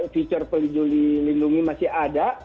fitur pelindungi masih ada